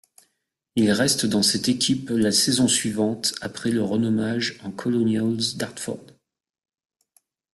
Il reste dans cette équipe la saison suivante après le renommage en Colonials d'Hartford.